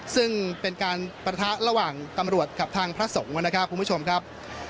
ซึ่งเป็นการปะทะระหว่างตำรวจกับทางพระสงฆ์นะครับคุณผู้ชมครับ